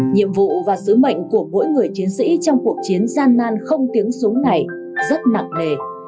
nhiệm vụ và sứ mệnh của mỗi người chiến sĩ trong cuộc chiến gian nan không tiếng súng này rất nặng nề